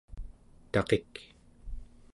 taqik